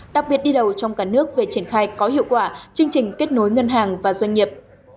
đặc biệt đi đầu trong cả nước về triển khai có hiệu quả chương trình kết nối ngân hàng và doanh nghiệp